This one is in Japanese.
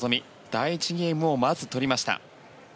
第１ゲームをまず、取りました。